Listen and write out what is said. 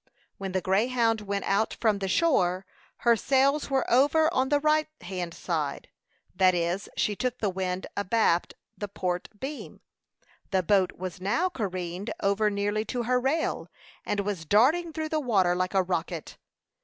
When the Greyhound went out from the shore, her sails were over on the right hand side; that is, she took the wind abaft the port beam. The boat was now careened over nearly to her rail, and was darting through the water like a rocket.